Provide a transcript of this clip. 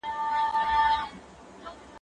زه بايد سپينکۍ پرېولم!!